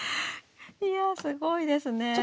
いやすごいですね。